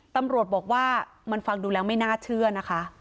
ตำรวจบอกว่ามันฟังดูแล้วไม่น่าเชื่อนะคะ